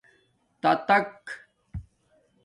تاتاک